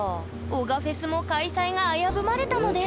男鹿フェスも開催が危ぶまれたのです。